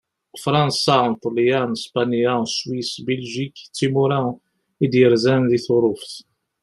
Fṛansa, Ṭelyan, Spanya, Swis, Biljik d timura i d-yerzan di Turuft.